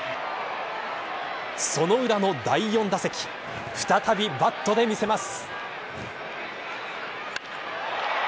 その裏の第４打席再びバットで見せます。